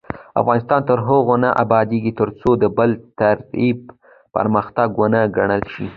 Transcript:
افغانستان تر هغو نه ابادیږي، ترڅو د بل تخریب پرمختګ ونه ګڼل شي.